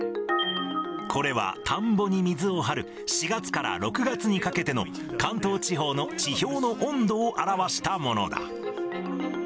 これは田んぼに水を張る４月から６月にかけての関東地方の地表の温度を表したものだ。